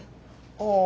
ああ